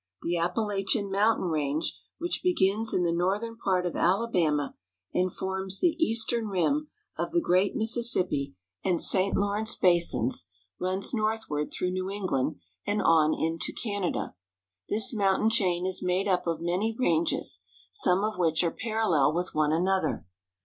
The Appalachian mountain range, which begins in the northern part of Alabama and forms the eastern rim of the great Mississippi and St. THE WHITE MOUNTAINS. 85 Lawrence basins, runs northward through New England and on into Canada. This mountain chain is made up of many ranges, some of which are parallel with one another.